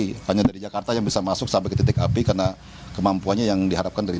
ini hanya dari jakarta yang bisa masuk sampai ke titik api karena kemampuannya yang diharapkan dari